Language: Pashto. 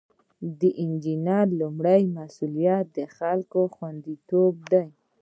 د انجینر لومړی مسؤلیت د خلکو خوندیتوب دی.